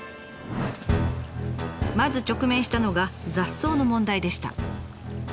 まず直面したのが雑草の問題でした。